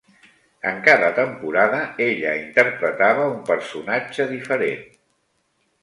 En cada temporada, ella interpretava un personatge diferent.